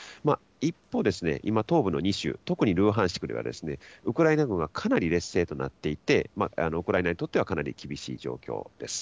一方、今、東部の２州、特にルハンシクでは、ウクライナ軍はかなり劣勢となっていて、ウクライナにとってはかなり厳しい状況です。